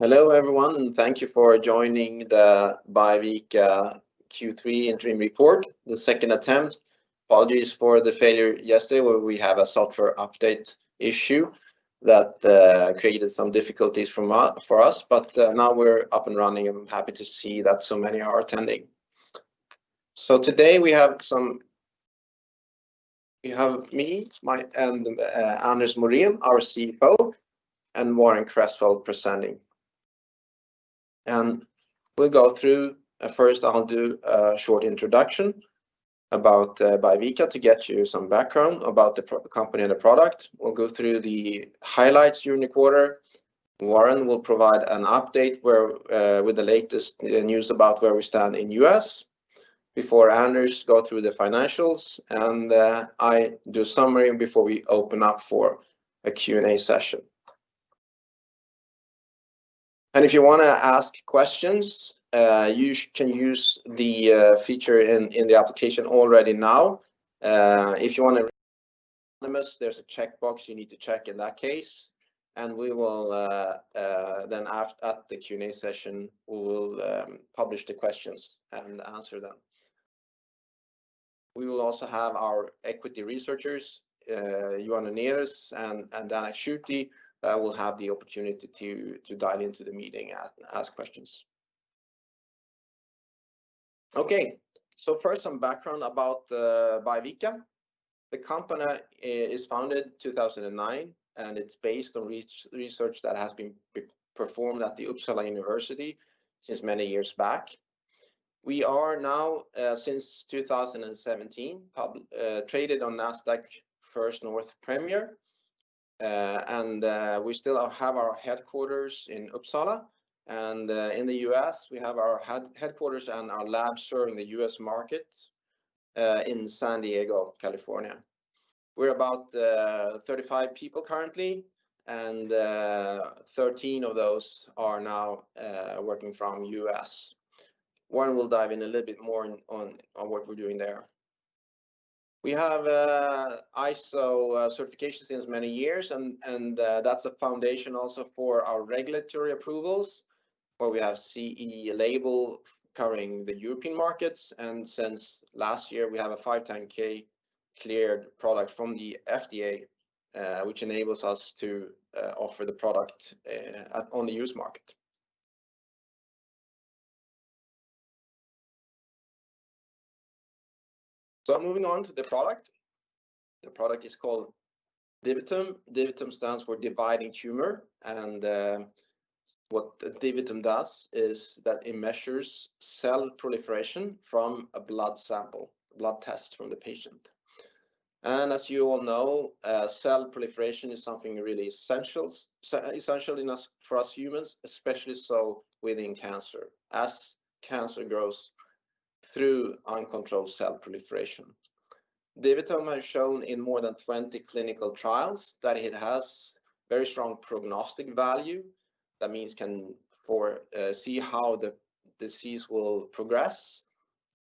Hello everyone, thank you for joining the Biovica Q3 interim report, the second attempt. Apologies for the failure yesterday where we have a software update issue that created some difficulties for us. Now we're up and running, and I'm happy to see that so many are attending. Today we have me, Anders Morén, our CFO, and Warren Cresswell presenting. First, I'll do a short introduction about Biovica to get you some background about the company and the product. We'll go through the highlights during the quarter. Warren will provide an update where with the latest news about where we stand in U.S. before Anders go through the financials, and I do summary before we open up for a Q&A session. If you wanna ask questions, you can use the feature in the application already now. We will also have our equity researchers, Johan Unnérus and Dan Akschuti, will have the opportunity to dive into the meeting and ask questions. First, some background about Biovica. The company is founded 2009, and it's based on research that has been performed at Uppsala University since many years back. We are now, since 2017, traded on Nasdaq First North Premier Growth Market. And we still have our headquarters in Uppsala. In the U.S., we have our headquarters and our lab serving the U.S. market in San Diego, California. We're about 35 people currently, and 13 of those are now working from U.S. Warren will dive in a little bit more on what we're doing there. We have ISO certifications since many years and that's a foundation also for our regulatory approvals, where we have CE label covering the European markets. Since last year, we have a 510(k) cleared product from the FDA, which enables us to offer the product on the U.S. market. Moving on to the product. The product is called DiviTum. DiviTum stands for dividing tumor. What DiviTum does is that it measures cell proliferation from a blood sample, blood test from the patient. As you all know, cell proliferation is something really essential for us humans, especially so within cancer, as cancer grows through uncontrolled cell proliferation. DiviTum has shown in more than 20 clinical trials that it has very strong prognostic value. That means can see how the disease will progress.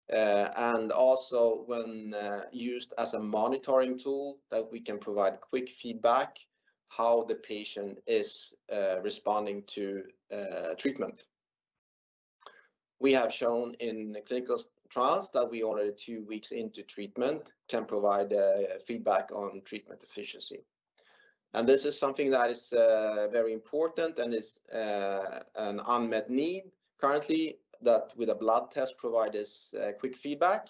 And also when used as a monitoring tool that we can provide quick feedback how the patient is responding to treatment. We have shown in the clinical trials that we order two weeks into treatment can provide feedback on treatment efficiency. And this is something that is very important and is an unmet need currently that with a blood test provide us quick feedback.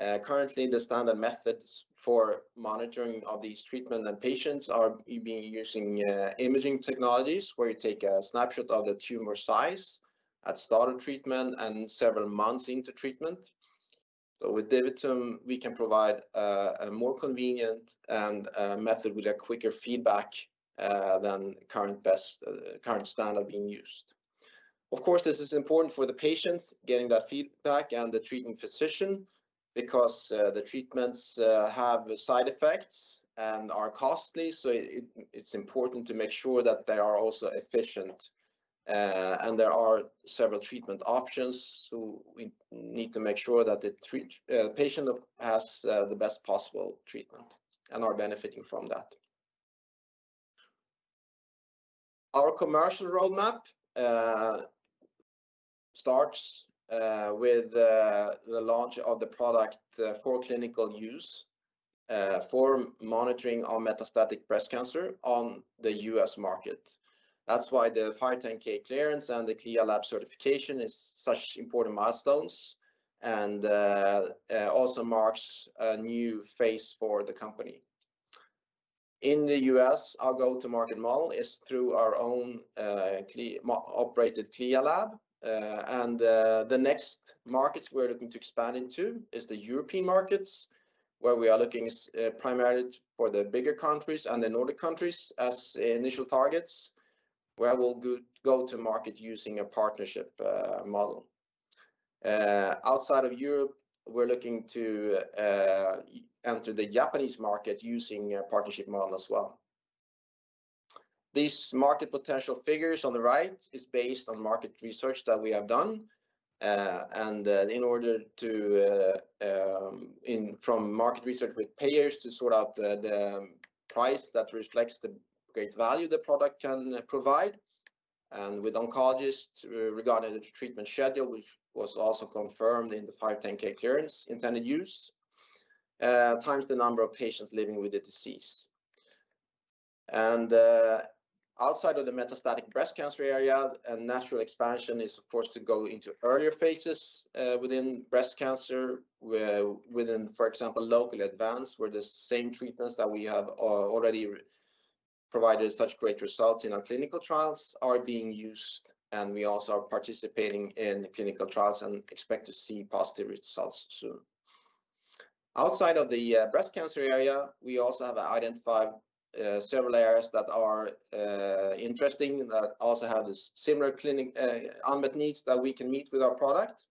Currently, the standard methods for monitoring of these treatment and patients are using imaging technologies, where you take a snapshot of the tumor size at start of treatment and several months into treatment. With DiviTum, we can provide a more convenient and method with a quicker feedback than current best current standard being used. Of course, this is important for the patients getting that feedback and the treating physician because the treatments have side effects and are costly, so it's important to make sure that they are also efficient. There are several treatment options, so we need to make sure that the patient has the best possible treatment and are benefiting from that. Our commercial roadmap starts with the launch of the product for clinical use for monitoring our metastatic breast cancer on the US market. That's why the 510(k) clearance and the CLIA lab certification is such important milestones and also marks a new phase for the company. In the US, our go-to-market model is through our own operated CLIA lab. The next markets we're looking to expand into is the European markets, where we are looking primarily for the bigger countries and the Nordic countries as initial targets, where we'll go to market using a partnership model. Outside of Europe, we're looking to enter the Japanese market using a partnership model as well. These market potential figures on the right is based on market research that we have done in order to from market research with payers to sort out the price that reflects the great value the product can provide, and with oncologists regarding the treatment schedule, which was also confirmed in the 510(k) clearance intended use times the number of patients living with the disease. Outside of the metastatic breast cancer area, a natural expansion is of course, to go into earlier phases within breast cancer, where within, for example, local advanced, where the same treatments that we have already provided such great results in our clinical trials are being used, and we also are participating in clinical trials and expect to see positive results soon. Outside of the breast cancer area, we also have identified several areas that are interesting, that also have this similar clinic unmet needs that we can meet with our product.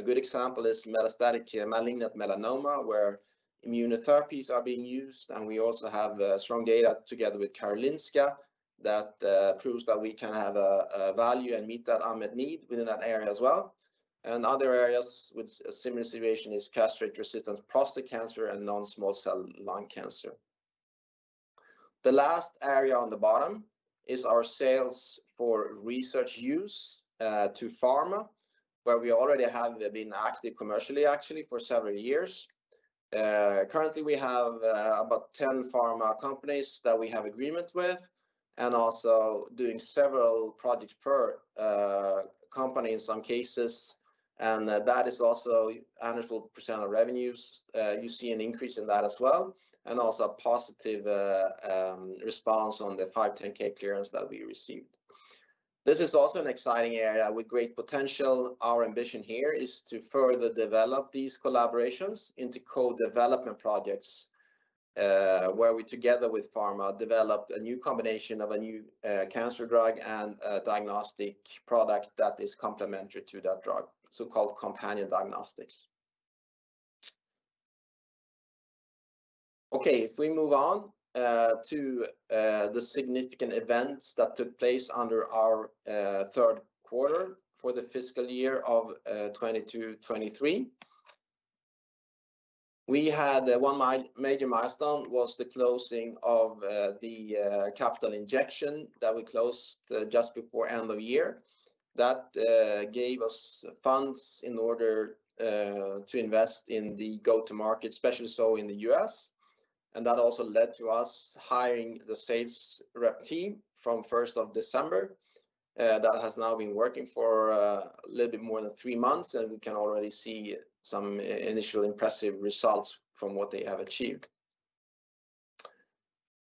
A good example is metastatic malignant melanoma, where immunotherapies are being used, and we also have strong data together with Karolinska that proves that we can have a value and meet that unmet need within that area as well. Other areas with a similar situation is castrate resistant prostate cancer and non-small cell lung cancer. The last area on the bottom is our sales for research use, to pharma, where we already have been active commercially actually for several years. Currently we have about 10 pharma companies that we have agreements with, and also doing several projects per company in some cases. That is also Anders will present our revenues. You see an increase in that as well, and also a positive response on the 510(k) clearance that we received. This is also an exciting area with great potential. Our ambition here is to further develop these collaborations into co-development projects, where we together with pharma, developed a new combination of a new cancer drug and a diagnostic product that is complementary to that drug, so-called companion diagnostics. Okay, if we move on to the significant events that took place under our Q3 for the fiscal year of 2022, 2023. We had one major milestone was the closing of the capital injection that we closed just before end of year. That gave us funds in order to invest in the go to market, especially so in the U.S. That also led to us hiring the sales rep team from first of December that has now been working for a little bit more than three months. We can already see some initial impressive results from what they have achieved.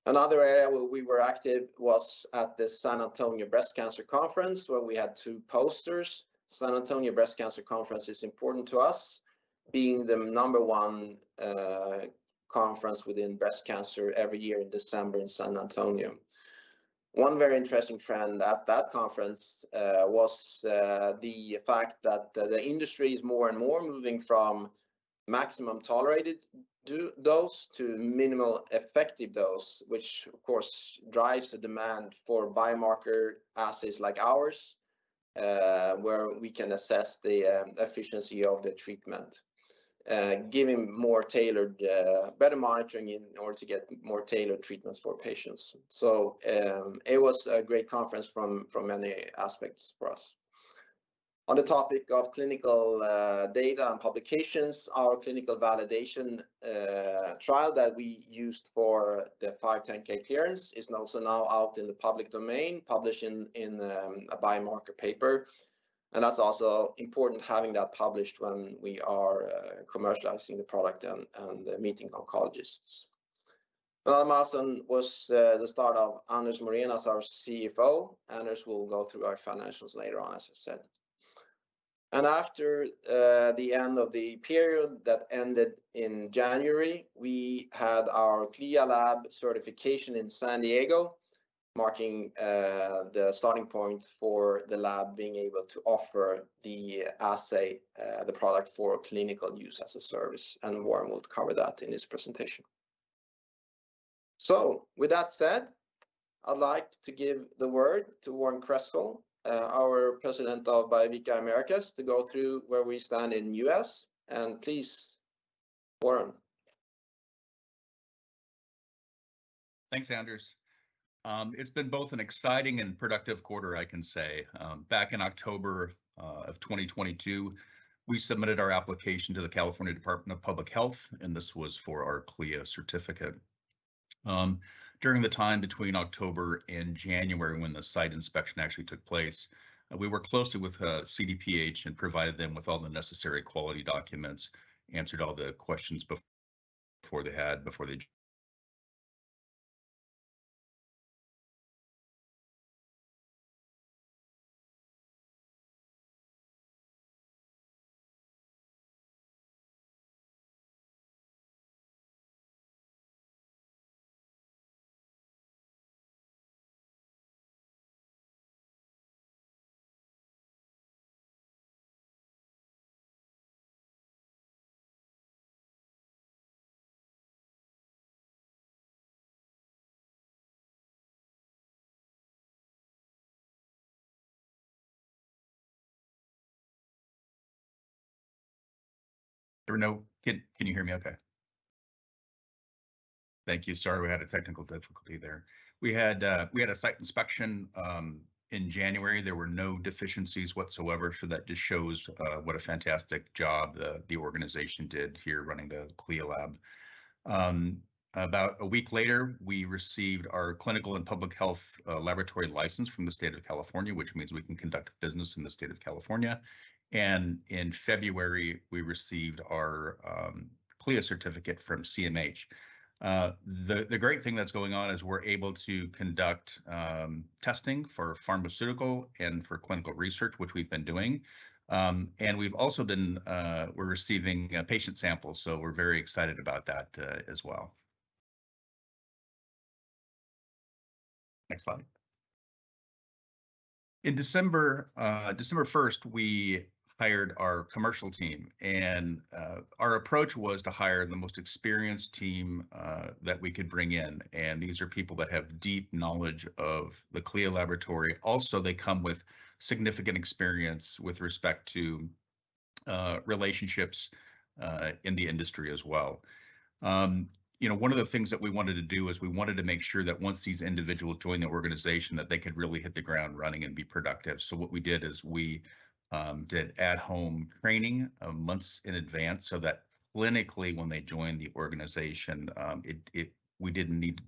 Another area where we were active was at the San Antonio Breast Cancer Conference, where we had two posters. San Antonio Breast Cancer Conference is important to us, being the number one conference within breast cancer every year in December in San Antonio. One very interesting trend at that conference was the fact that the industry is more and more moving from maximum tolerated dose to minimum effective dose, which of course drives the demand for biomarker assays like ours, where we can assess the efficiency of the treatment, giving more tailored, better monitoring in order to get more tailored treatments for patients. It was a great conference from many aspects for us. On the topic of clinical data and publications, our clinical validation trial that we used for the 510(k) clearance is also now out in the public domain, published in a biomarker paper. That's also important, having that published when we are commercializing the product and meeting oncologists. Another milestone was the start of Anders Morén as our CFO. Anders Morén will go through our financials later on, as I said. After the end of the period that ended in January, we had our CLIA lab certification in San Diego, marking the starting point for the lab being able to offer the assay, the product for clinical use as a service. Warren will cover that in his presentation. With that said, I'd like to give the word to Warren Cresswell, our President of Biovica Americas, to go through where we stand in the U.S. Please, Warren. Thanks, Anders. It's been both an exciting and productive quarter, I can say. Back in October 2022, we submitted our application to the California Department of Public Health, this was for our CLIA certificate. During the time between October and January, when the site inspection actually took place, we worked closely with CDPH and provided them with all the necessary quality documents, answered all the questions they had. Can you hear me okay? Thank you. Sorry, we had a technical difficulty there. We had a site inspection in January. There were no deficiencies whatsoever, that just shows what a fantastic job the organization did here running the CLIA lab. About a week later, we received our clinical and public health laboratory license from the state of California, which means we can conduct business in the state of California. In February, we received our CLIA certificate from CMS. The great thing that's going on is we're able to conduct testing for pharmaceutical and for clinical research, which we've been doing. We've also been, we're receiving patient samples, so we're very excited about that as well. Next slide. In December 1st, we hired our commercial team, and our approach was to hire the most experienced team that we could bring in, and these are people that have deep knowledge of the CLIA laboratory. Also, they come with significant experience with respect to relationships in the industry as well. You know, one of the things that we wanted to do is we wanted to make sure that once these individuals join the organization, that they could really hit the ground running and be productive. What we did is we did at-home training months in advance so that clinically, when they joined the organization, it, we didn't need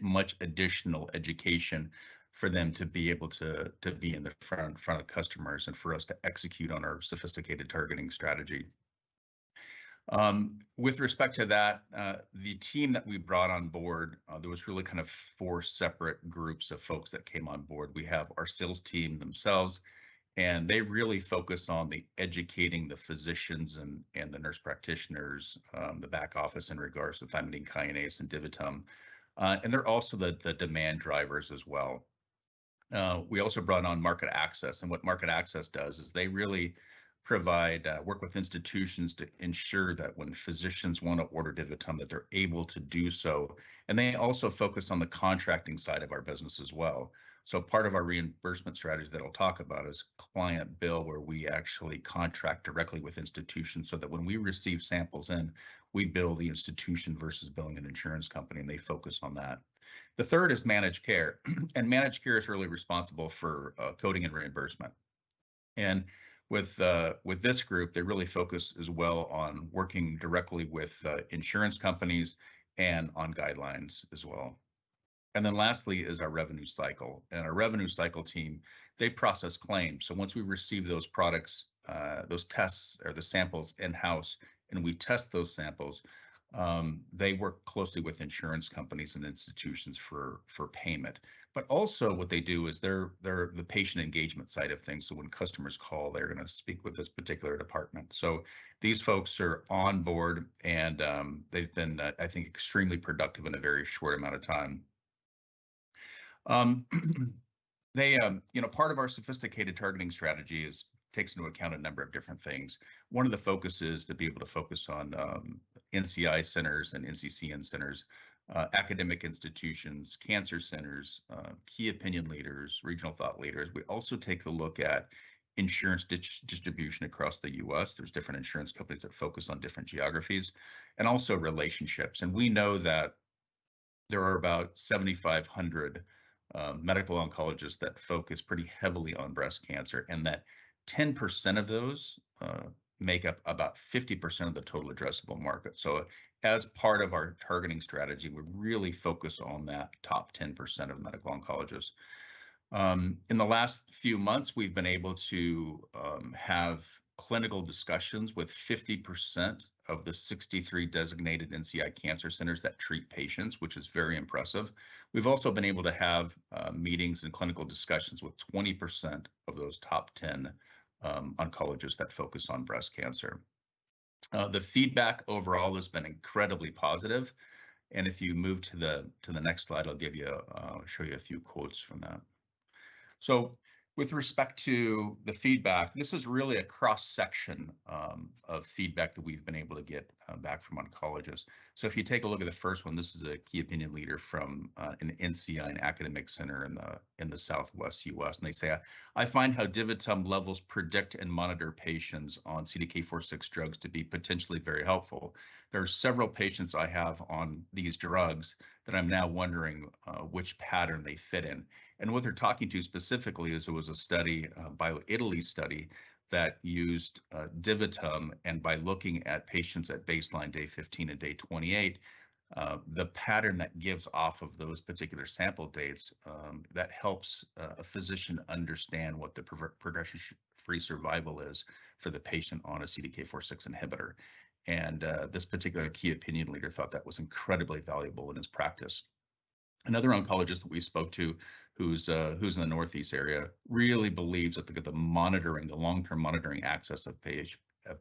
much additional education for them to be able to be in the front of the customers and for us to execute on our sophisticated targeting strategy. With respect to that, the team that we brought on board, there was really kind of four separate groups of folks that came on board. We have our sales team themselves, they really focus on educating the physicians and the nurse practitioners, the back office in regards to thymidine kinase and DiviTum. They're also the demand drivers as well. We also brought on market access, what market access does is they really provide work with institutions to ensure that when physicians wanna order DiviTum, that they're able to do so, they also focus on the contracting side of our business as well. Part of our reimbursement strategy that I'll talk about is client bill, where we actually contract directly with institutions so that when we receive samples in, we bill the institution versus billing an insurance company, they focus on that. The third is managed care, managed care is really responsible for coding and reimbursement. With, with this group, they really focus as well on working directly with insurance companies and on guidelines as well. Lastly is our revenue cycle, and our revenue cycle team, they process claims. Once we receive those products, those tests or the samples in-house, and we test those samples, they work closely with insurance companies and institutions for payment. Also what they do is they're the patient engagement side of things, so when customers call, they're gonna speak with this particular department. These folks are on board, and they've been, I think extremely productive in a very short amount of time. They, you know, part of our sophisticated targeting strategy is takes into account a number of different things. One of the focuses to be able to focus on NCI centers and NCCN centers, academic institutions, cancer centers, key opinion leaders, regional thought leaders. We also take a look at insurance distribution across the U.S. There's different insurance companies that focus on different geographies, and also relationships. We know that there are about 7,500 medical oncologists that focus pretty heavily on breast cancer, and that 10% of those make up about 50% of the total addressable market. As part of our targeting strategy, we really focus on that top 10% of medical oncologists. In the last few months, we've been able to have clinical discussions with 50% of the 63 designated NCI cancer centers that treat patients, which is very impressive. We've also been able to have meetings and clinical discussions with 20% of those top 10 oncologists that focus on breast cancer. The feedback overall has been incredibly positive, and if you move to the next slide, I'll give you show you a few quotes from that. With respect to the feedback, this is really a cross-section of feedback that we've been able to get back from oncologists. If you take a look at the first one, this is a key opinion leader from an NCI and academic center in the southwest U.S. They say, "I find how DiviTum levels predict and monitor patients on CDK4/6 drugs to be potentially very helpful. There are several patients I have on these drugs that I'm now wondering which pattern they fit in. What they're talking to specifically is it was a study, a BioItaLEE study, that used DiviTum, and by looking at patients at baseline day 15 and day 28, the pattern that gives off of those particular sample dates, that helps a physician understand what the progression free survival is for the patient on a CDK4/6 inhibitor. This particular key opinion leader thought that was incredibly valuable in his practice. Another oncologist that we spoke to who's in the northeast area really believes that the monitoring, the long-term monitoring access of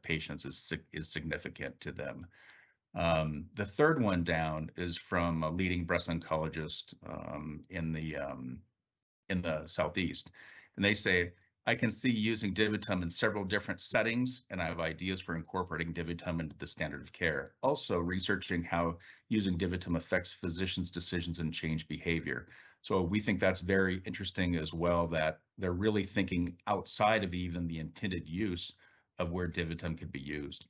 patients is significant to them. The third one down is from a leading breast oncologist in the southeast. They say, "I can see using DiviTum in several different settings, and I have ideas for incorporating DiviTum into the standard of care. Also, researching how using DiviTum affects physicians' decisions and change behavior." We think that's very interesting as well, that they're really thinking outside of even the intended use of where DiviTum could be used.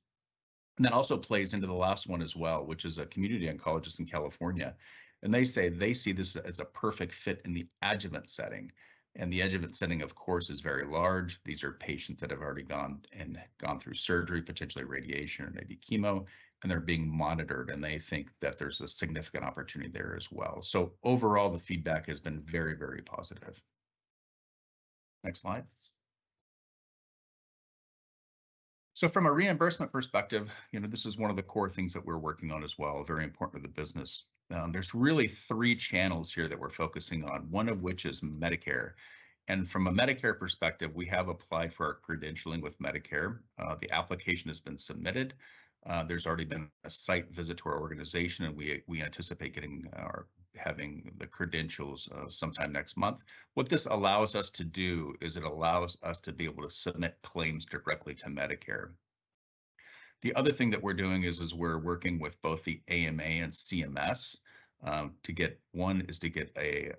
That also plays into the last one as well, which is a community oncologist in California, and they say they see this as a perfect fit in the adjuvant setting, and the adjuvant setting, of course, is very large. These are patients that have already gone through surgery, potentially radiation or maybe chemo, and they're being monitored, and they think that there's a significant opportunity there as well. Overall, the feedback has been very, very positive. Next slide. From a reimbursement perspective, you know, this is one of the core things that we're working on as well, very important to the business. There's really three channels here that we're focusing on, one of which is Medicare. From a Medicare perspective, we have applied for our credentialing with Medicare. The application has been submitted. There's already been a site visit to our organization, and we anticipate getting or having the credentials sometime next month. What this allows us to do is it allows us to be able to submit claims directly to Medicare. The other thing that we're doing is we're working with both the AMA and CMS to get a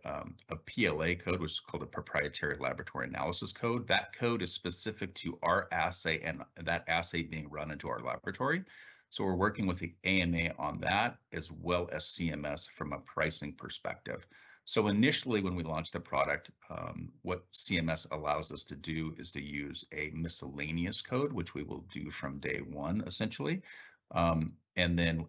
PLA code, which is called a Proprietary Laboratory Analyses code. That code is specific to our assay and that assay being run into our laboratory. We're working with the AMA on that as well as CMS from a pricing perspective. Initially when we launched the product, what CMS allows us to do is to use a miscellaneous code, which we will do from day one, essentially.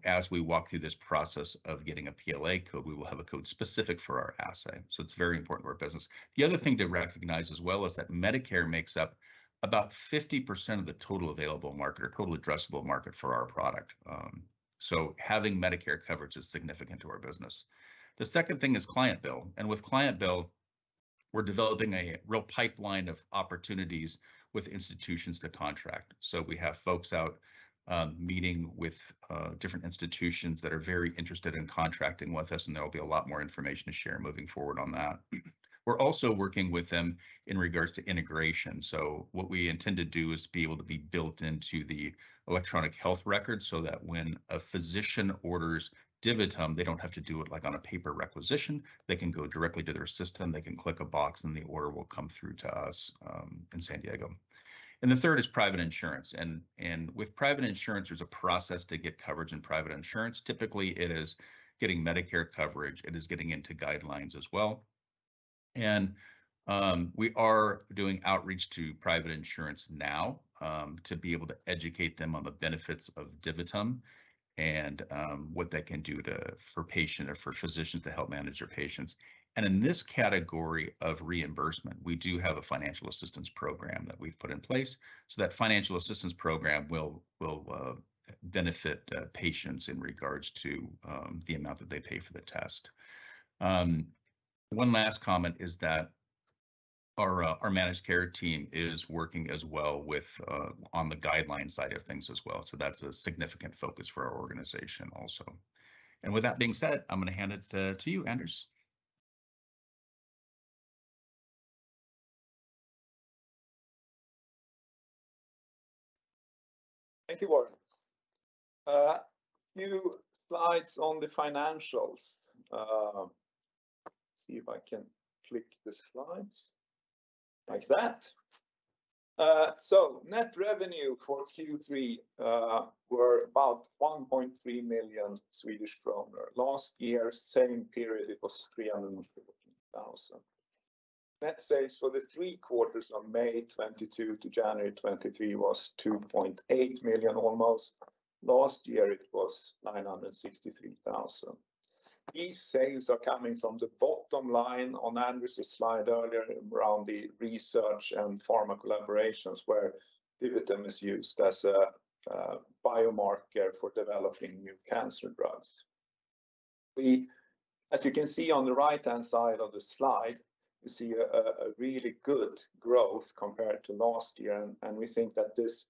As we walk through this process of getting a PLA code, we will have a code specific for our assay, so it's very important to our business. The other thing to recognize as well is that Medicare makes up about 50% of the total available market or total addressable market for our product. Having Medicare coverage is significant to our business. The second thing is client bill, and with client bill, we're developing a real pipeline of opportunities with institutions to contract. We have folks out meeting with different institutions that are very interested in contracting with us, and there will be a lot more information to share moving forward on that. We're also working with them in regards to integration. What we intend to do is to be able to be built into the electronic health record so that when a physician orders DiviTum, they don't have to do it like on a paper requisition. They can go directly to their system, they can click a box, and the order will come through to us in San Diego. The third is private insurance, and with private insurance, there's a process to get coverage in private insurance. Typically, it is getting Medicare coverage, it is getting into guidelines as well. We are doing outreach to private insurance now to be able to educate them on the benefits of DiviTum and what that can do for patient or for physicians to help manage their patients. In this category of reimbursement, we do have a financial assistance program that we've put in place. That financial assistance program will benefit patients in regards to the amount that they pay for the test. One last comment is that our managed care team is working as well with on the guidelines side of things as well. That's a significant focus for our organization also. With that being said, I'm gonna hand it to you, Anders. Thank you, Warren. A few slides on the financials. See if I can click the slides like that. Net revenue for Q3 were about 1.3 million Swedish kronor. Last year, same period, it was 350,000. Net sales for the three quarters of May 2022 to January 2023 was 2.8 million almost. Last year, it was 963,000. These sales are coming from the bottom line on Anders's slide earlier around the research and pharma collaborations where DiviTum is used as a biomarker for developing new cancer drugs. As you can see on the right-hand side of the slide, you see a really good growth compared to last year, and we think that this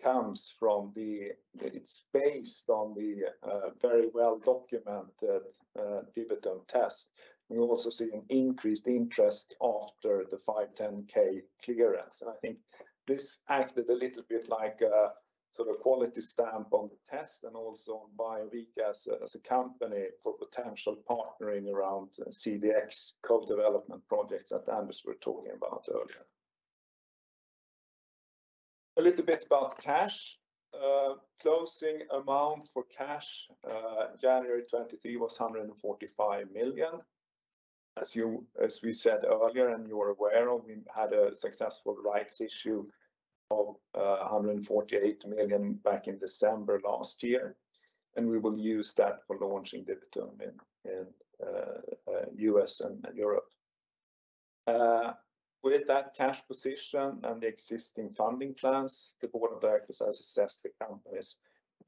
comes from the that it's based on the very well-documented DiviTum test. We also see an increased interest after the 510(k) clearance. And I think this acted a little bit like a sort of quality stamp on the test and also on Biovica as a company for potential partnering around CDx co-development projects that Anders were talking about earlier. A little bit about cash. Closing amount for cash, January 2023, was 145 million. As we said earlier, and you are aware of, we had a successful rights issue of 148 million back in December last year, and we will use that for launching DiviTum in U.S. and Europe. With that cash position and the existing funding plans, the board of directors has assessed the company's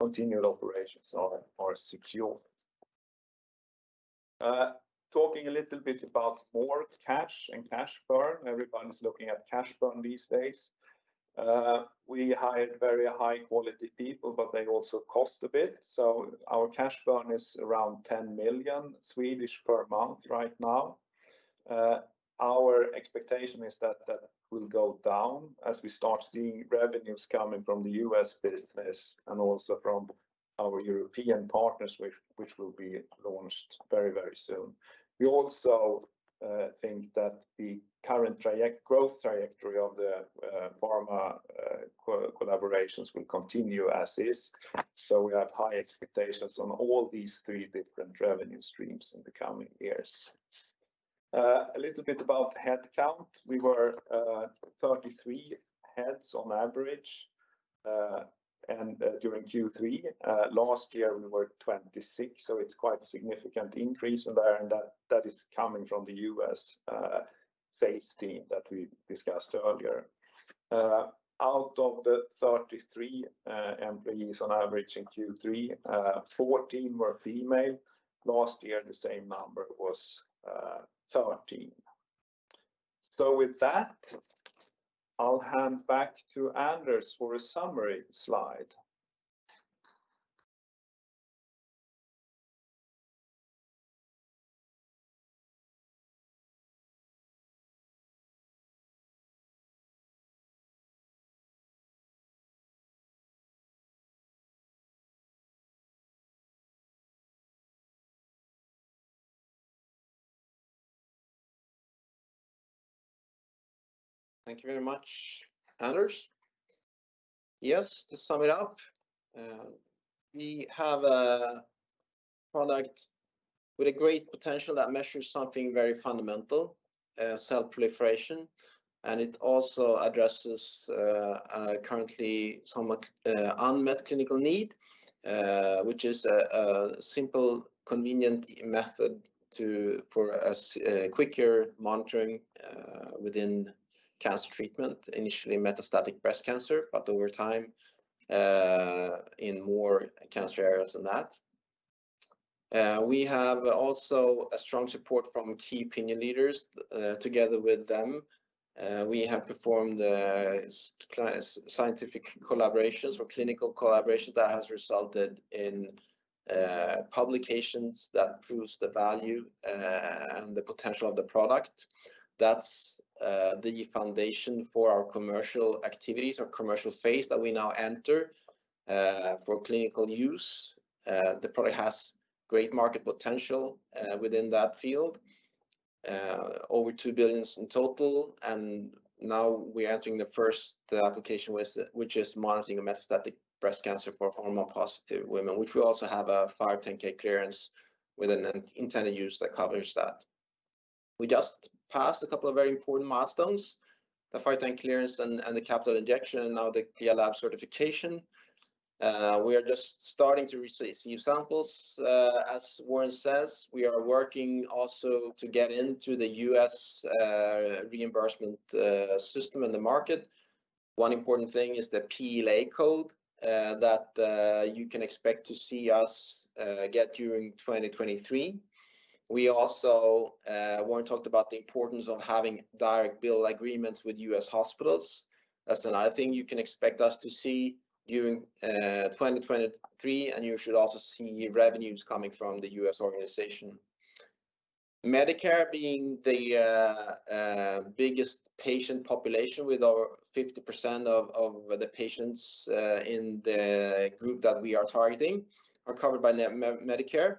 continued operations are secure. Talking a little bit about more cash and cash burn. Everyone's looking at cash burn these days. We hired very high-quality people, but they also cost a bit, so our cash burn is around 10 million per month right now. Our expectation is that that will go down as we start seeing revenues coming from the U.S. business and also from Our European partners which will be launched very, very soon. We also think that the current growth trajectory of the pharma co-collaborations will continue as is. We have high expectations on all these three different revenue streams in the coming years. A little bit about head count. We were 33 heads on average, and during Q3. Last year we were 26, so it's quite a significant increase in there, and that is coming from the U.S. sales team that we discussed earlier. Out of the 33 employees on average in Q3, 14 were female. Last year, the same number was 13. With that, I'll hand back to Anders for a summary slide. Thank you very much, Anders. Yes, to sum it up, we have a product with a great potential that measures something very fundamental, cell proliferation, and it also addresses currently somewhat unmet clinical need, which is a simple, convenient method to for a quicker monitoring within cancer treatment. Initially, metastatic breast cancer, but over time, in more cancer areas than that. We have also a strong support from key opinion leaders. Together with them, we have performed scientific collaborations or clinical collaborations that has resulted in publications that proves the value and the potential of the product. That's the foundation for our commercial activities or commercial phase that we now enter for clinical use. The product has great market potential within that field. Over 2 billion in total. Now we're entering the first, the application which is monitoring a metastatic breast cancer for hormone-positive women, which we also have a 510 clearance with an intended use that covers that. We just passed a couple of very important milestones, the 510 clearance and the capital injection. Now the CLIA lab certification. We are just starting to receive samples. As Warren says, we are working also to get into the U.S. reimbursement system and the market. One important thing is the PLA code that you can expect to see us get during 2023. We also. Warren talked about the importance of having direct bill agreements with U.S. hospitals. That's another thing you can expect us to see during 2023. You should also see revenues coming from the U.S. organization. Medicare being the biggest patient population with over 50% of the patients in the group that we are targeting are covered by Medicare.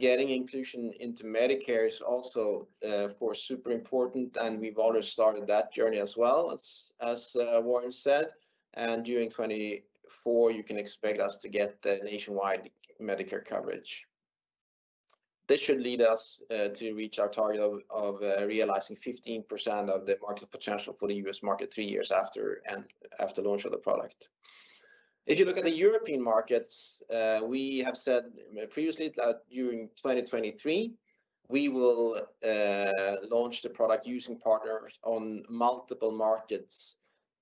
Getting inclusion into Medicare is also, of course, super important, and we've already started that journey as Warren said, and during 2024, you can expect us to get the nationwide Medicare coverage. This should lead us to reach our target of realizing 15% of the market potential for the US market three years after launch of the product. If you look at the European markets, we have said previously that during 2023, we will launch the product using partners on multiple markets,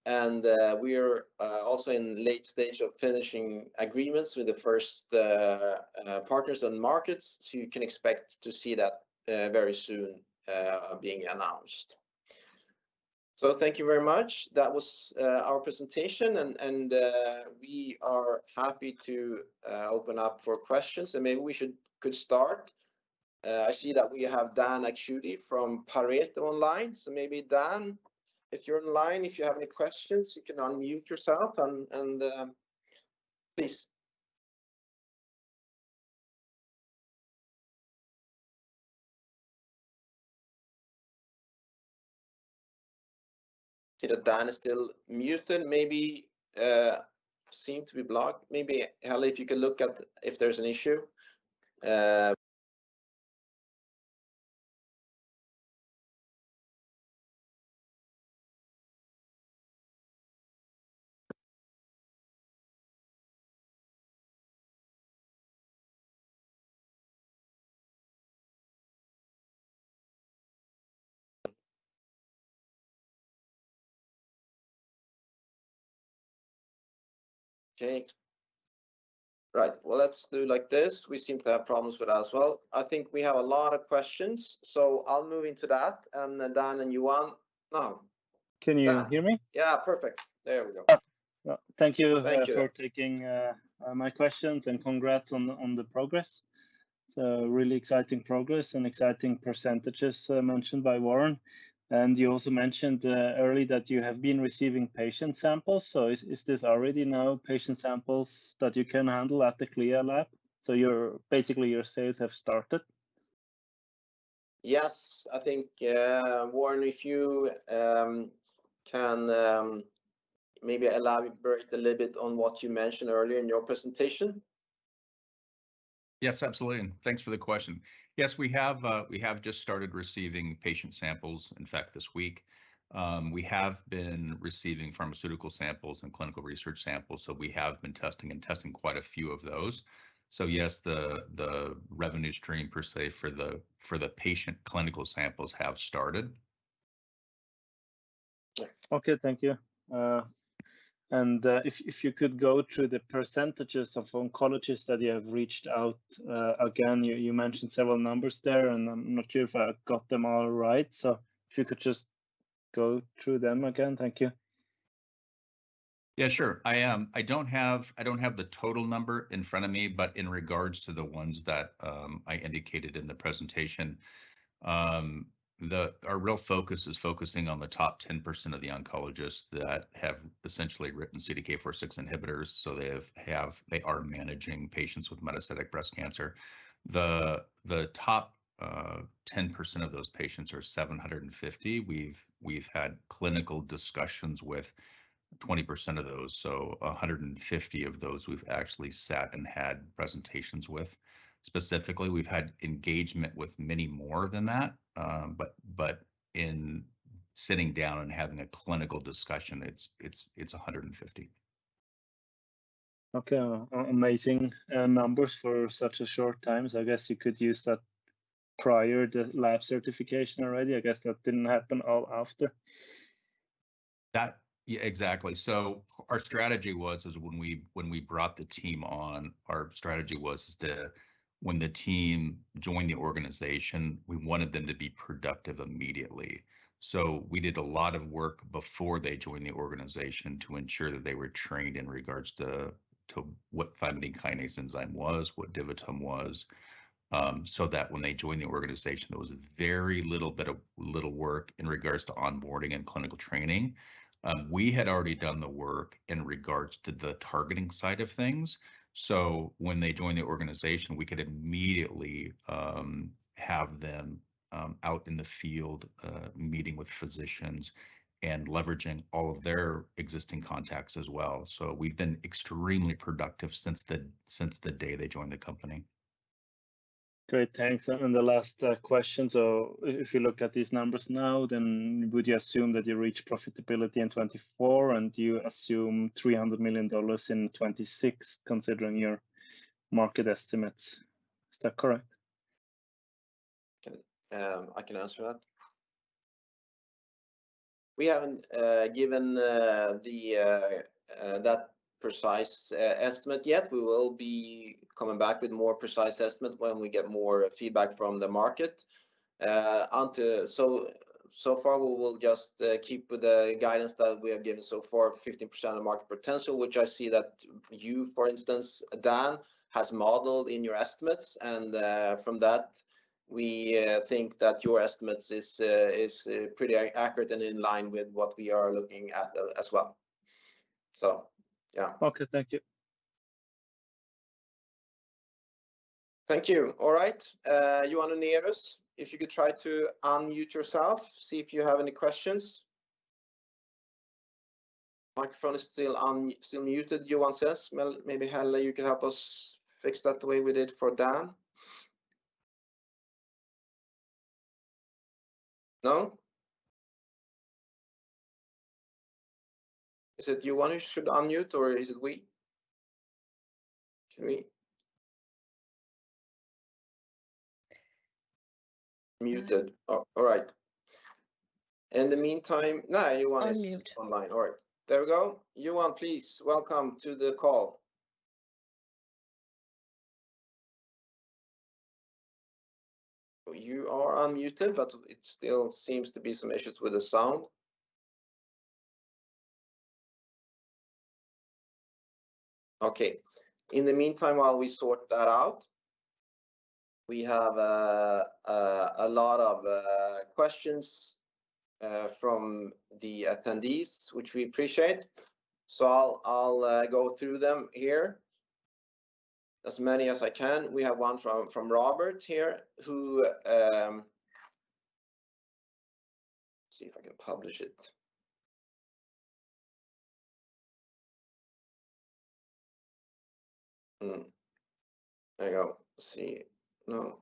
and we are also in late stage of finishing agreements with the first partners and markets, so you can expect to see that very soon being announced. Thank you very much. That was our presentation and we are happy to open up for questions, and maybe we could start. I see that we have Dan Akschuti from Pareto online. Maybe Dan, if you're online, if you have any questions, you can unmute yourself and please. I see that Dan is still muted. Maybe seem to be blocked. Maybe, Helé, if you can look at if there's an issue. Okay. Right. Well, let's do like this. We seem to have problems with us well. I think we have a lot of questions. I'll move into that. Then Dan and Johan. No. Can you hear me? Yeah, perfect. There we go. Thank you. Thank you. for taking my questions. Congrats on the progress. Really exciting progress and exciting percentages mentioned by Warren. You also mentioned early that you have been receiving patient samples. Is this already now patient samples that you can handle at the CLIA lab? Basically, your sales have started? Yes. I think, Warren, if you can maybe elaborate a little bit on what you mentioned earlier in your presentation. Yes, absolutely. Thanks for the question. Yes, we have just started receiving patient samples, in fact, this week. We have been receiving pharmaceutical samples and clinical research samples. We have been testing quite a few of those. Yes, the revenue stream per se for the patient clinical samples have started. Okay, thank you. If you could go through the percentages of oncologists that you have reached out. Again, you mentioned several numbers there, I'm not sure if I got them all right, if you could just go through them again. Thank you. Yeah, sure. I don't have the total number in front of me, but in regards to the ones that I indicated in the presentation, Our real focus is focusing on the top 10% of the oncologists that have essentially written CDK4/6 inhibitors, so they are managing patients with metastatic breast cancer. The top 10% of those patients are 750. We've had clinical discussions with 20% of those, so 150 of those we've actually sat and had presentations with. Specifically, we've had engagement with many more than that, but in sitting down and having a clinical discussion, it's 150. Okay. Amazing numbers for such a short time. I guess you could use that prior to lab certification already. I guess that didn't happen all after. Yeah, exactly. Our strategy was is when we brought the team on, our strategy was is to, when the team joined the organization, we wanted them to be productive immediately. We did a lot of work before they joined the organization to ensure that they were trained in regards to what tyrosine kinase enzyme was, what DiviTum was, so that when they joined the organization, there was very little, bit of little work in regards to onboarding and clinical training. We had already done the work in regards to the targeting side of things, so when they joined the organization, we could immediately have them out in the field meeting with physicians and leveraging all of their existing contacts as well. We've been extremely productive since the day they joined the company. Great. Thanks. The last question, if you look at these numbers now, would you assume that you reach profitability in 2024, and do you assume $300 million in 2026 considering your market estimates? Is that correct? I can answer that. We haven't given that precise estimate yet. We will be coming back with more precise estimate when we get more feedback from the market. So far we will just keep with the guidance that we have given so far, 15% of market potential, which I see that you, for instance, Dan, has modeled in your estimates. From that we think that your estimates is pretty accurate and in line with what we are looking at as well. Yeah. Okay. Thank you. Thank you. All right. Johan Unnérus, if you could try to unmute yourself, see if you have any questions. Microphone is still muted, Johan says. Maybe, Helen, you can help us fix that the way we did for Dan. No? Is it Johan who should unmute, or is it we? It's me. Muted. Yeah. Oh. All right. In the meantime... No, Johan- Unmute is online. All right. There we go. Johan, please welcome to the call. You are unmuted, but it still seems to be some issues with the sound. In the meantime while we sort that out, we have a lot of questions from the attendees, which we appreciate, so I'll go through them here, as many as I can. We have one from Robert here who... See if I can publish it. There we go. See... No.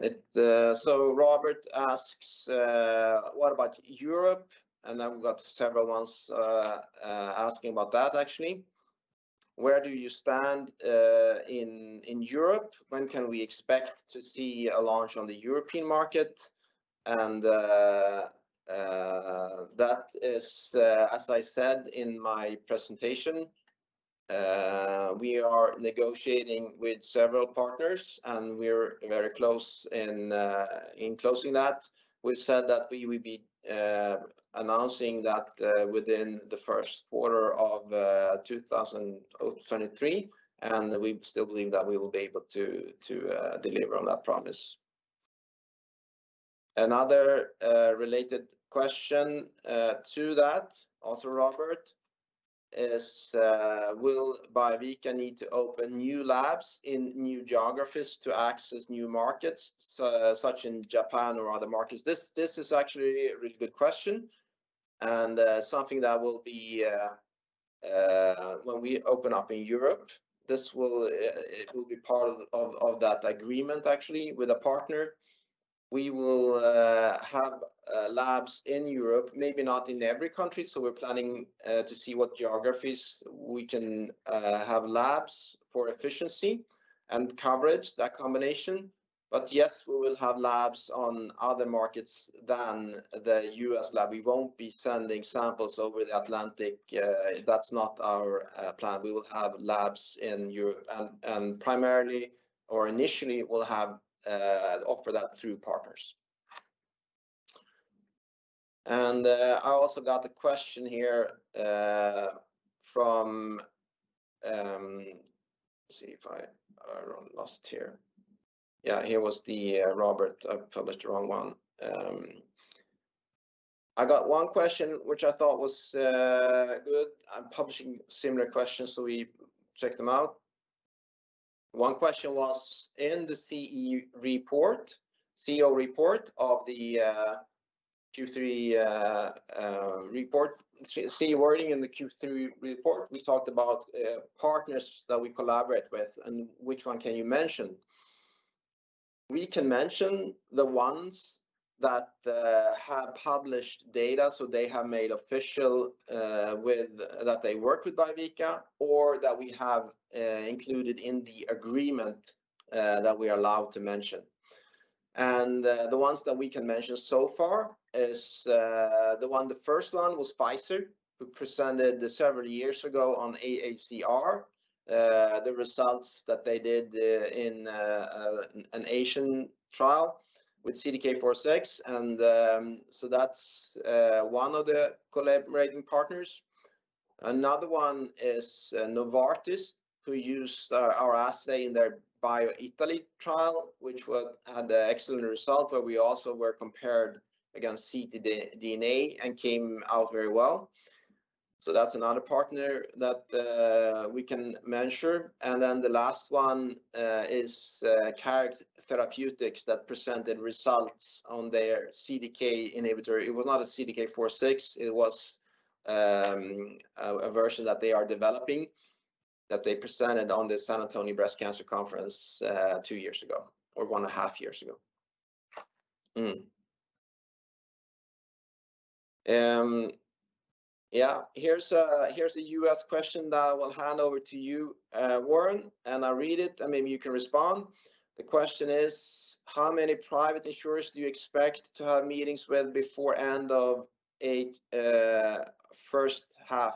It... Robert asks, "What about Europe?" We've got several ones asking about that actually. "Where do you stand in Europe? When can we expect to see a launch on the European market? That is, as I said in my presentation, we are negotiating with several partners. We're very close in closing that. We've said that we will be announcing that within the Q1 of 2023, and we still believe that we will be able to deliver on that promise. Another related question to that, also Robert, is, Will Biovica need to open new labs in new geographies to access new markets, so such in Japan or other markets? This is actually a really good question, and something that will be, when we open up in Europe, it will be part of that agreement actually with a partner. We will have labs in Europe, maybe not in every country, so we're planning to see what geographies we can have labs for efficiency and coverage, that combination. Yes, we will have labs on other markets than the U.S. lab. We won't be sending samples over the Atlantic. That's not our plan. We will have labs in Europe, and primarily, or initially we'll offer that through partners. I also got a question here from... Let's see if I... I lost it here. Yeah, here was the Robert. I published the wrong one. I got one question which I thought was good. I'm publishing similar questions, so we check them out. One question was, in the CE report, CEO report of the Q3 report, CE wording in the Q3 report, we talked about partners that we collaborate with, which one can you mention? We can mention the ones that have published data, so they have made official that they work with Biovica, or that we have included in the agreement that we are allowed to mention. The ones that we can mention so far is the first one was Pfizer, who presented several years ago on AACR, the results that they did in an Asian trial with CDK4/6. That's one of the collaborating partners. Another one is Novartis, who used our assay in their BioItaLEE trial, which had an excellent result, where we also were compared against ctDNA and came out very well. That's another partner that we can mention. The last one is Carrick Therapeutics, that presented results on their CDK inhibitor. It was not a CDK4/6. It was a version that they are developing, that they presented on the San Antonio Breast Cancer Symposium two years ago, or one and a half years ago. Yeah. Here's a U.S. question that I will hand over to you, Warren, and I'll read it, and maybe you can respond. The question is: How many private insurers do you expect to have meetings with before end of first half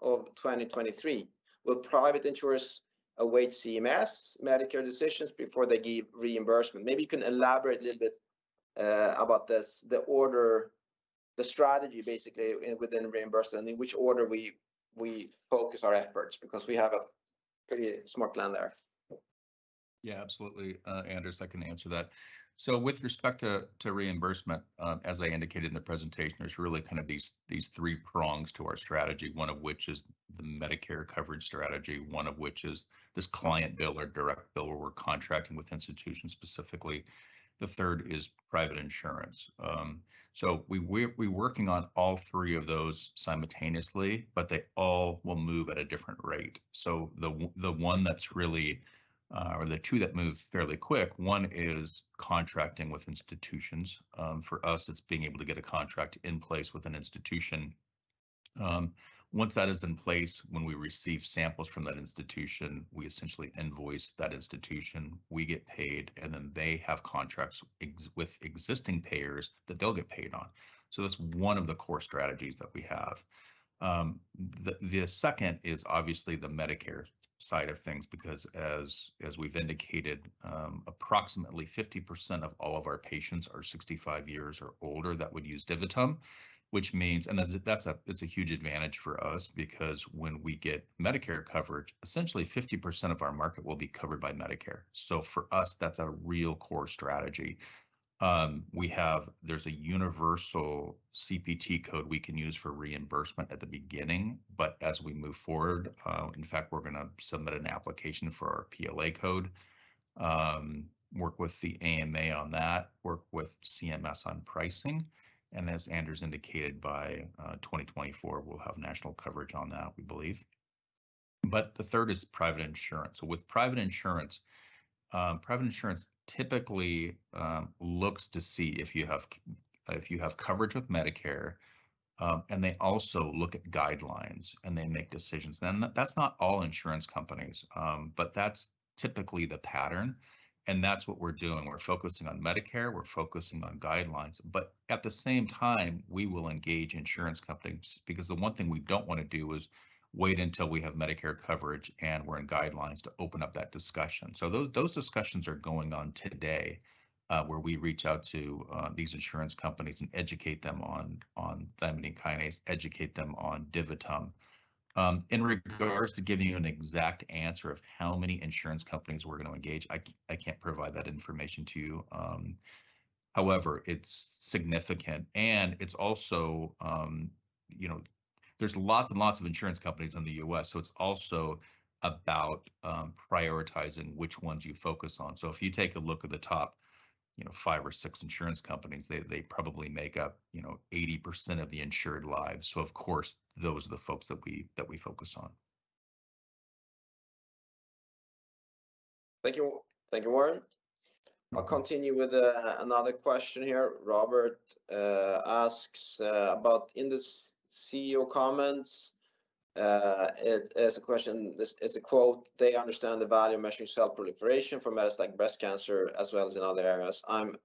of 2023? Will private insurers await CMS Medicare decisions before they give reimbursement? Maybe you can elaborate a little bit about this, the order, the strategy, basically, within reimbursement, and in which order we focus our efforts, because we have a pretty smart plan there. Absolutely, Anders, I can answer that. With respect to reimbursement, as I indicated in the presentation, there's really kind of these three prongs to our strategy, one of which is the Medicare coverage strategy, one of which is this client bill or direct billing, where we're contracting with institutions specifically. The third is private insurance. We're working on all three of those simultaneously, but they all will move at a different rate. The one that's really, or the two that move fairly quick, one is contracting with institutions. For us, it's being able to get a contract in place with an institution. Once that is in place, when we receive samples from that institution, we essentially invoice that institution. We get paid, they have contracts with existing payers that they'll get paid on. That's one of the core strategies that we have. The second is obviously the Medicare side of things, because as we've indicated, approximately 50% of all of our patients are 65 years or older that would use DiviTum, which means. That's a huge advantage for us, because when we get Medicare coverage, essentially 50% of our market will be covered by Medicare. For us, that's a real core strategy. There's a universal CPT code we can use for reimbursement at the beginning. As we move forward, in fact, we're gonna submit an application for our PLA code, work with the AMA on that, work with CMS on pricing, and as Anders indicated, by 2024, we'll have national coverage on that, we believe. The third is private insurance. With private insurance, private insurance typically looks to see if you have coverage with Medicare. They also look at guidelines and they make decisions. That's not all insurance companies, but that's typically the pattern, and that's what we're doing. We're focusing on Medicare, we're focusing on guidelines. At the same time, we will engage insurance companies because the one thing we don't wanna do is wait until we have Medicare coverage and we're in guidelines to open up that discussion. Those discussions are going on today, where we reach out to these insurance companies and educate them on thymidine kinase, educate them on DiviTum. In regards to giving you an exact answer of how many insurance companies we're gonna engage, I can't provide that information to you. However, it's significant and it's also, you know, there's lots and lots of insurance companies in the U.S., so it's also about prioritizing which ones you focus on. If you take a look at the top, you know, 5 or 6 insurance companies, they probably make up, you know, 80% of the insured lives. Of course, those are the folks that we focus on. Thank you. Thank you, Warren. I'll continue with another question here. Robert asks about in the CEO comments, it as a question. This is a quote: "They understand the value of measuring cell proliferation for metastatic breast cancer as well as in other areas." I'm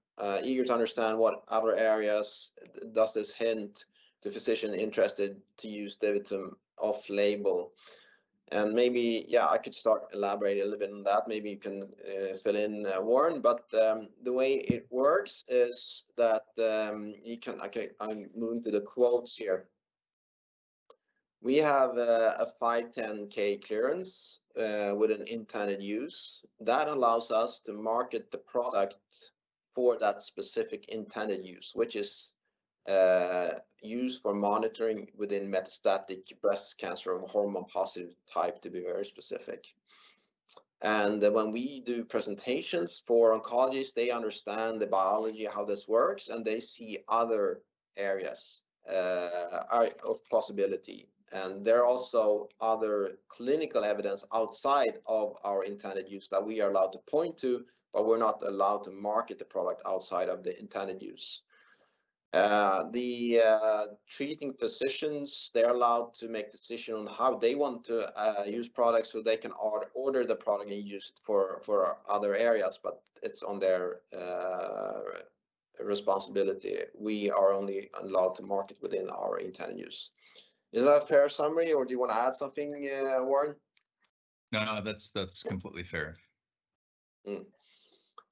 eager to understand what other areas does this hint to physician interested to use DiviTum off-label? Maybe, yeah, I could start elaborating a little bit on that. Maybe you can fill in, Warren. The way it works is that you can. Okay, I'm moving to the quotes here. We have a 510(k) clearance with an intended use. That allows us to market the product for that specific intended use, which is used for monitoring within metastatic breast cancer of hormone positive type to be very specific. When we do presentations for oncologists, they understand the biology, how this works, and they see other areas of possibility. There are also other clinical evidence outside of our intended use that we are allowed to point to, but we're not allowed to market the product outside of the intended use. The treating physicians, they're allowed to make decision on how they want to use products so they can order the product and use it for other areas, but it's on their responsibility. We are only allowed to market within our intended use. Is that a fair summary or do you want to add something, Warren? No, no, that's completely fair.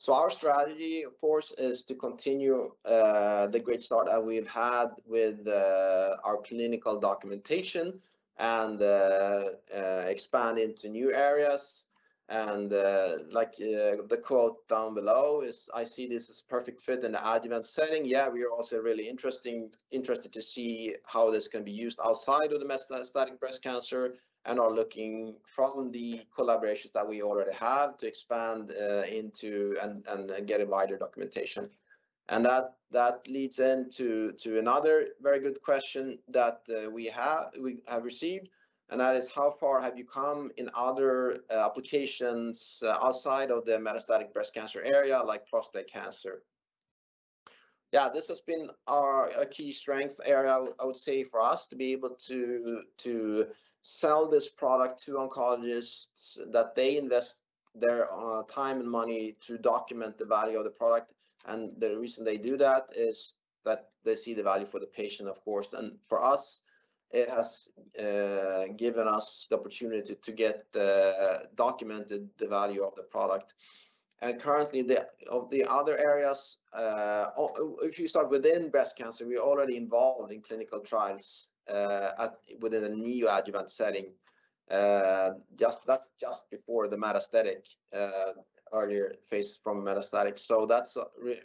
Our strategy, of course, is to continue the great start that we've had with our clinical documentation and expand into new areas. Like, the quote down below is, "I see this as perfect fit in the adjuvant setting." Yeah, we are also really interested to see how this can be used outside of the metastatic breast cancer and are looking from the collaborations that we already have to expand into and get a wider documentation. That leads into another very good question that we have received and that is, "How far have you come in other applications outside of the metastatic breast cancer area like prostate cancer?" This has been our a key strength area I would say for us to be able to sell this product to oncologists, that they invest their time and money to document the value of the product. The reason they do that is that they see the value for the patient, of course. For us, it has given us the opportunity to get documented the value of the product. Currently, of the other areas, if you start within breast cancer, we're already involved in clinical trials within the neoadjuvant setting. Just, that's just before the metastatic, earlier phase from metastatic. That's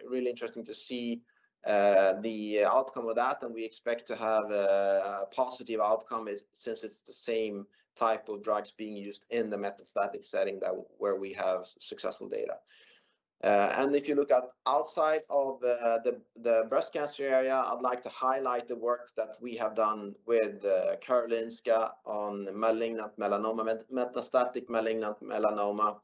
really interesting to see the outcome of that, and we expect to have a positive outcome as, since it's the same type of drugs being used in the metastatic setting that, where we have successful data. If you look at outside of the breast cancer area, I'd like to highlight the work that we have done with Karolinska on malignant melanoma, metastatic malignant melanoma,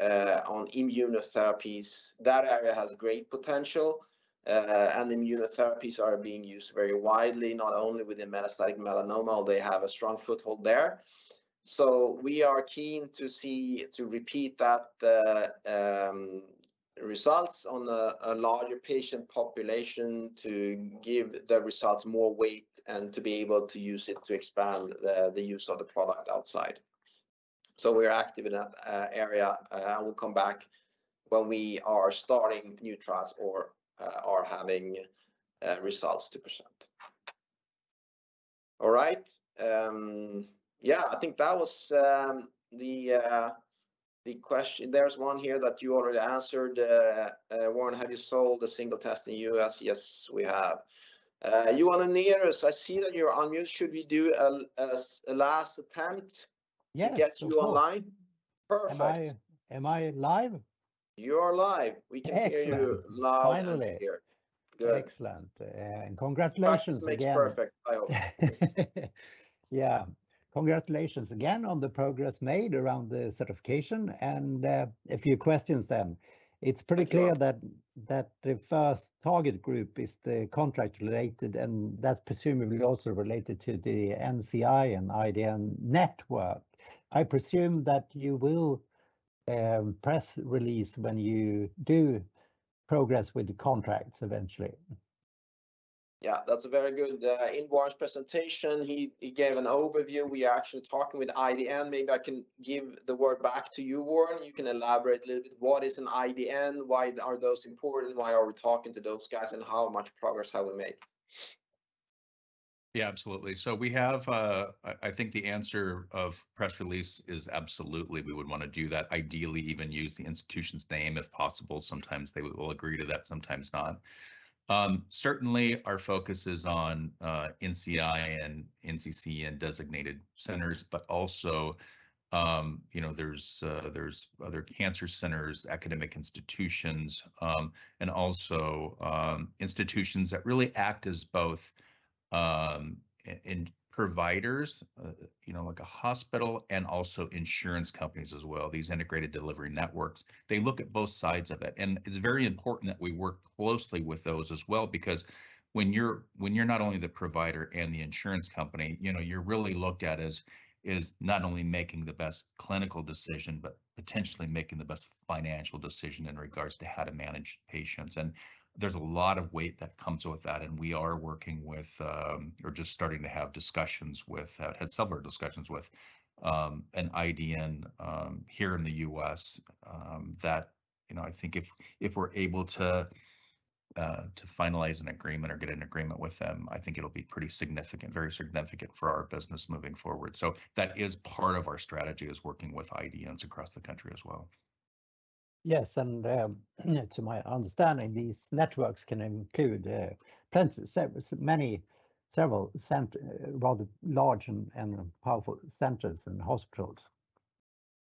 on immunotherapies. That area has great potential, immunotherapies are being used very widely, not only within metastatic melanoma, they have a strong foothold there. We are keen to repeat that results on a larger patient population to give the results more weight and to be able to use it to expand the use of the product outside. We're active in that area. We'll come back when we are starting new trials or are having results to present. All right. Yeah, I think that was the question. There's one here that you already answered, Warren, have you sold a single test in U.S.? Yes, we have. Johan Unnerus, I see that you're on mute. Should we do a last attempt? Yes... to get you online? Sure. Perfect. Am I live? You are live. We can hear you loud and clear. Excellent. Finally. Good. Excellent. Congratulations again. Practice makes perfect I hope. Yeah. Congratulations again on the progress made around the certification, and a few questions then. It's pretty clear that the first target group is the contract related, and that's presumably also related to the NCI and IDN network. I presume that you will press release when you do progress with the contracts eventually. Yeah, that's a very good Ingvar's presentation, he gave an overview. We are actually talking with IDN. Maybe I can give the word back to you, Warren, you can elaborate a little bit what is an IDN, why are those important, why are we talking to those guys, and how much progress have we made? Yeah, absolutely. We have, I think the answer of press release is absolutely we would wanna do that, ideally even use the institution's name if possible. Sometimes they will agree to that, sometimes not. Certainly our focus is on NCI and NCC and designated centers, but also, you know, there's other cancer centers, academic institutions, and also institutions that really act as both in providers, you know, like a hospital, and also insurance companies as well, these integrated delivery networks. They look at both sides of it. It's very important that we work closely with those as well because when you're not only the provider and the insurance company, you know, you're really looked at as not only making the best clinical decision, but potentially making the best financial decision in regards to how to manage patients. There's a lot of weight that comes with that, and we are working with, or just starting to have discussions with, had several discussions with an IDN here in the U.S. that, you know, I think if we're able to finalize an agreement or get an agreement with them, I think it'll be pretty significant, very significant for our business moving forward. That is part of our strategy is working with IDNs across the country as well. Yes, to my understanding, these networks can include, plenty, many, several rather large and powerful centers and hospitals.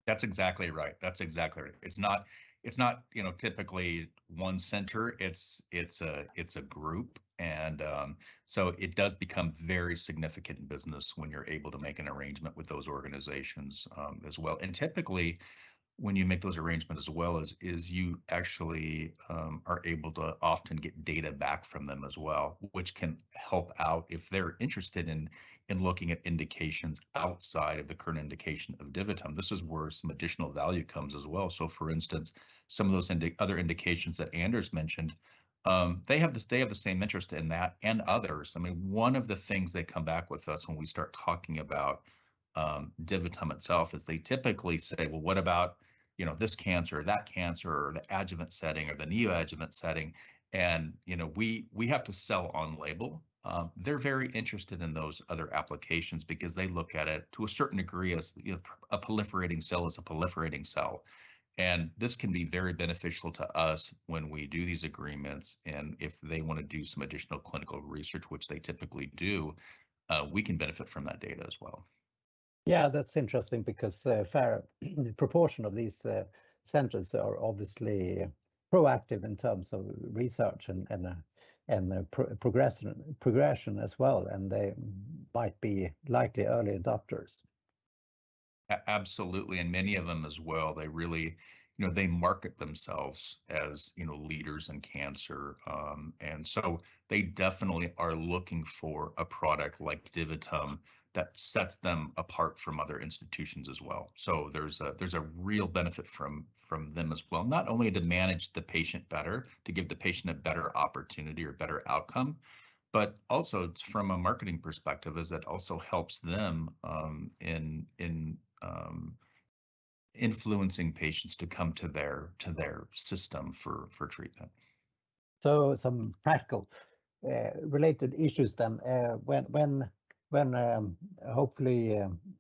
That's exactly right. That's exactly right. It's not, it's not, you know, typically one center. It's a group. It does become very significant business when you're able to make an arrangement with those organizations as well. Typically, when you make those arrangement as well is you actually are able to often get data back from them as well, which can help out if they're interested in looking at indications outside of the current indication of DiviTum. This is where some additional value comes as well. For instance, some of those other indications that Anders mentioned, they have the same interest in that and others. I mean, one of the things they come back with us when we start talking about DiviTum itself is they typically say, "Well, what about, you know, this cancer, that cancer, or the adjuvant setting or the neoadjuvant setting?" You know, we have to sell on label. They're very interested in those other applications because they look at it to a certain degree as, you know, a proliferating cell is a proliferating cell. This can be very beneficial to us when we do these agreements, and if they wanna do some additional clinical research, which they typically do, we can benefit from that data as well. Yeah, that's interesting because a fair proportion of these centers are obviously proactive in terms of research and progression as well, and they might be likely early adopters. absolutely. Many of them as well, they really you know, they market themselves as, you know, leaders in cancer. They definitely are looking for a product like DiviTum that sets them apart from other institutions as well. There's a real benefit from them as well, not only to manage the patient better, to give the patient a better opportunity or better outcome, but also from a marketing perspective as it also helps them in influencing patients to come to their system for treatment. Some practical related issues then. When, hopefully,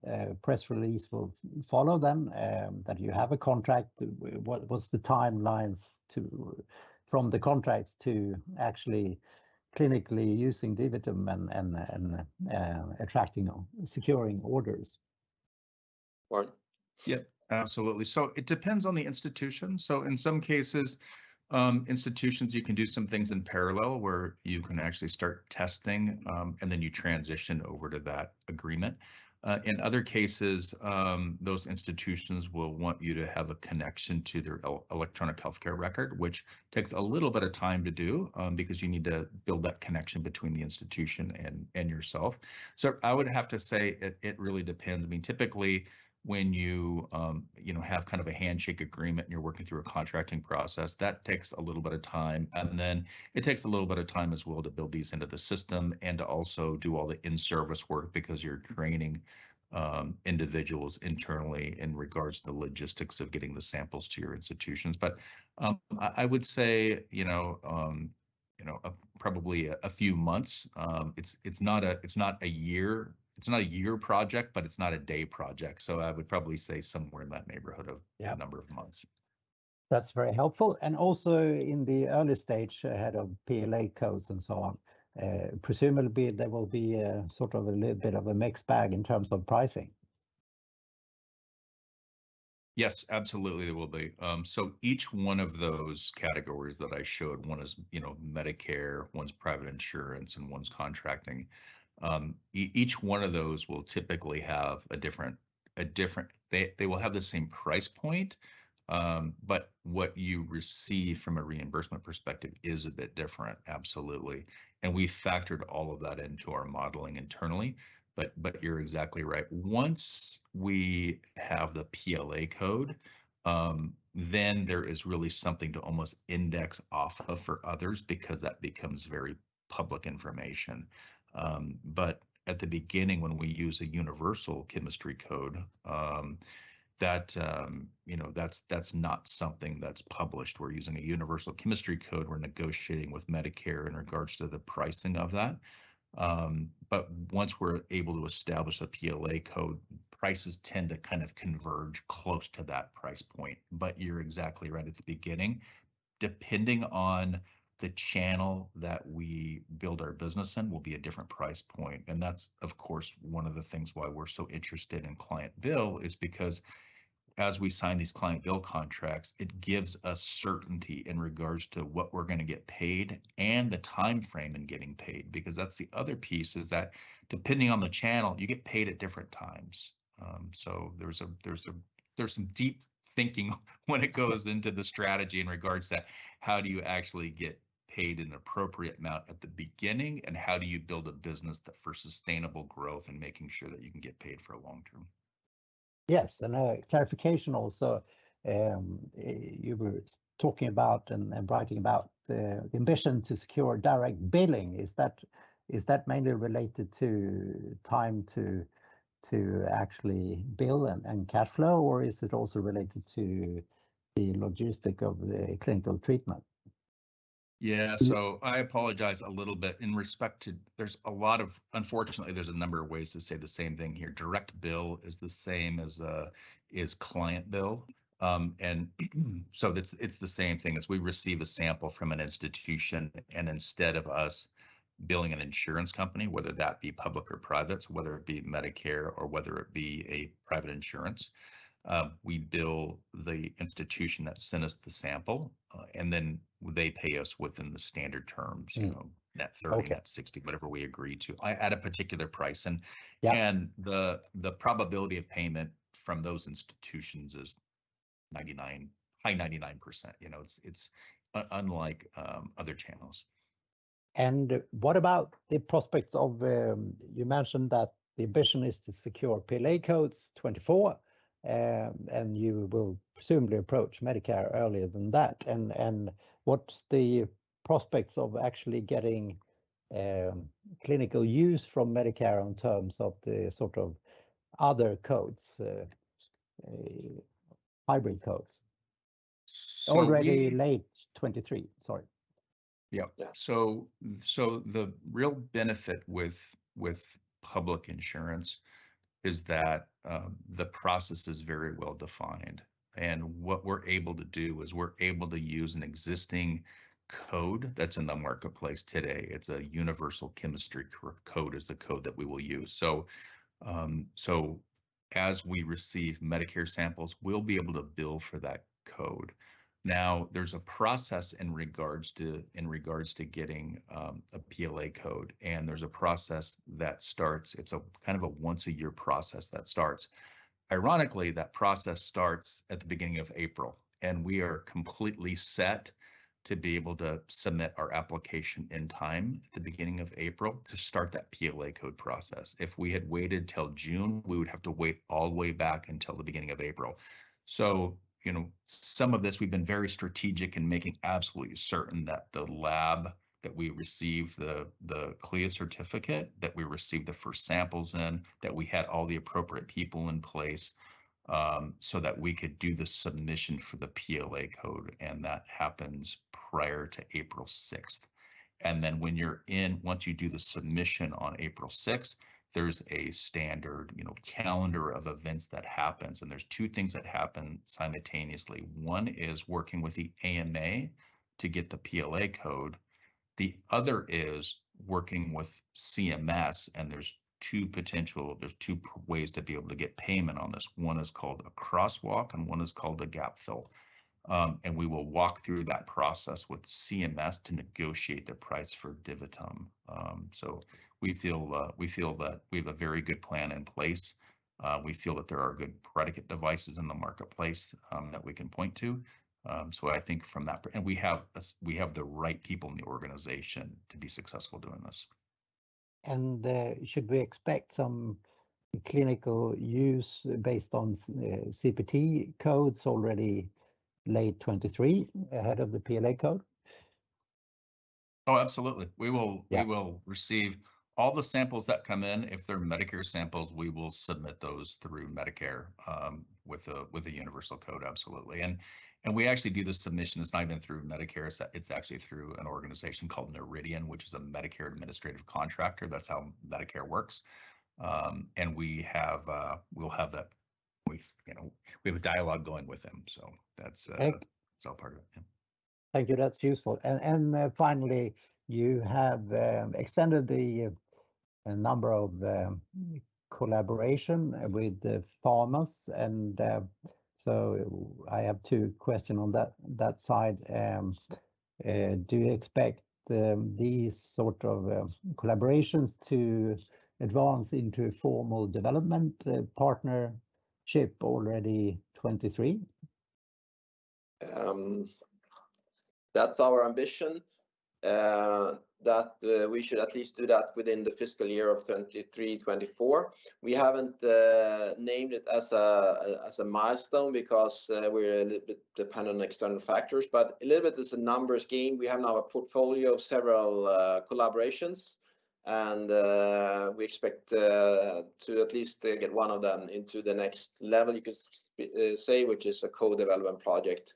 a press release will follow them, that you have a contract, what's the timelines to from the contracts to actually clinically using DiviTum and attracting or securing orders? Warren? Yeah, absolutely. It depends on the institution. In some cases, institutions you can do some things in parallel where you can actually start testing, and then you transition over to that agreement. In other cases, those institutions will want you to have a connection to their electronic health record, which takes a little bit of time to do, because you need to build that connection between the institution and yourself. I would have to say it really depends. I mean, typically, when you know, have kind of a handshake agreement and you're working through a contracting process, that takes a little bit of time, and then it takes a little bit of time as well to build these into the system and to also do all the in-service work because you're training individuals internally in regards to the logistics of getting the samples to your institutions. I would say, you know, you know, probably a few months. It's not a year, it's not a year project, but it's not a day project. I would probably say somewhere in that neighborhood of. Yeah... a number of months. That's very helpful. Also in the early stage ahead of PLA codes and so on, presumably there will be a sort of a little bit of a mixed bag in terms of pricing. Yes, absolutely they will be. Each one of those categories that I showed, one is, you know, Medicare, one's private insurance, and one's contracting. Each one of those will typically have a different price point, but what you receive from a reimbursement perspective is a bit different, absolutely. We factored all of that into our modeling internally, but you're exactly right. Once we have the PLA code, then there is really something to almost index off of for others because that becomes very public information. At the beginning when we use a universal chemistry code, that, you know, that's not something that's published. We're using a universal chemistry code. We're negotiating with Medicare in regards to the pricing of that. Once we're able to establish a PLA code, prices tend to kind of converge close to that price point. You're exactly right at the beginning. Depending on the channel that we build our business in will be a different price point. That's of course one of the things why we're so interested in client bill is because as we sign these client bill contracts, it gives us certainty in regards to what we're gonna get paid and the timeframe in getting paid. That's the other piece is that depending on the channel, you get paid at different times. There's some deep thinking when it goes into the strategy in regards to how do you actually get paid an appropriate amount at the beginning, and how do you build a business that... For sustainable growth and making sure that you can get paid for long term. Yes. A clarification also. You were talking about and writing about the ambition to secure direct billing. Is that mainly related to time to actually bill and cash flow, or is it also related to the logistic of the clinical treatment? Yeah. Mmm. I apologize a little bit in respect to. Unfortunately, there's a number of ways to say the same thing here. Direct bill is the same as, is Client bill. It's the same thing as we receive a sample from an institution, and instead of us billing an insurance company, whether that be public or private, whether it be Medicare or whether it be a private insurance, we bill the institution that sent us the sample, and then they pay us within the standard terms. Okay. You know, net 30, net 60, whatever we agree to. at a particular price. Yeah... and the probability of payment from those institutions is high 99%. You know, it's unlike other channels. What about the prospects of... You mentioned that the ambition is to secure PLA codes 2024, and you will presumably approach Medicare earlier than that. What's the prospects of actually getting clinical use from Medicare in terms of the sort of other codes, hybrid codes? So you- already late 2023? Sorry. Yeah. Yeah. The real benefit with public insurance is that the process is very well defined. What we're able to do is we're able to use an existing code that's in the marketplace today. It's a universal chemistry code, is the code that we will use. As we receive Medicare samples, we'll be able to bill for that code. There's a process in regards to getting a PLA code, and there's a process that starts. It's a kind of a once a year process that starts. Ironically, that process starts at the beginning of April, and we are completely set to be able to submit our application in time at the beginning of April to start that PLA code process. If we had waited till June, we would have to wait all the way back until the beginning of April. You know, some of this we've been very strategic in making absolutely certain that the lab that we receive the CLIA certificate, that we receive the first samples in, that we had all the appropriate people in place, so that we could do the submission for the PLA code. That happens prior to April 6th. When you're in, once you do the submission on April 6th, there's a standard, you know, calendar of events that happens, and there's two things that happen simultaneously. One is working with the AMA to get the PLA code. The other is working with CMS, and there's two ways to be able to get payment on this. One is called a crosswalk, and one is called a gap fill. We will walk through that process with CMS to negotiate the price for DiviTum. We feel that we have a very good plan in place. We feel that there are good predicate devices in the marketplace, that we can point to. I think from that And we have the right people in the organization to be successful doing this. Should we expect some clinical use based on CPT codes already late 2023 ahead of the PLA code? Oh, absolutely. Yeah... we will receive all the samples that come in. If they're Medicare samples, we will submit those through Medicare with a universal code, absolutely. We actually do the submission. It's not even through Medicare, it's actually through an organization called Noridian, which is a Medicare administrative contractor. That's how Medicare works. We'll have that. We, you know, we have a dialogue going with them. That's. Okay... that's all part of it. Yeah. Thank you. That's useful. Finally, you have extended the number of collaborations with the pharmas. I have two questions on that side. Do you expect these sort of collaborations to advance into formal development partnership already 2023? That's our ambition, that we should at least do that within the fiscal year of 2023, 2024. We haven't named it as a milestone because we're a little bit dependent on external factors. A little bit, it's a numbers game. We have now a portfolio of several collaborations, and we expect to at least get one of them into the next level, you could say, which is a co-development project.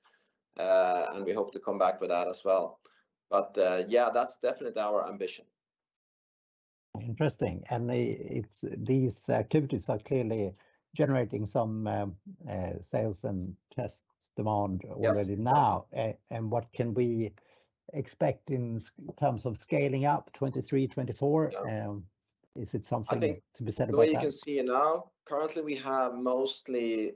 We hope to come back with that as well. Yeah, that's definitely our ambition. Interesting. These activities are clearly generating some sales and tests demand. Yes... already now. What can we expect in terms of scaling up 2023, 2024? Is it something to be said about that? I think the way you can see it now, currently we have mostly,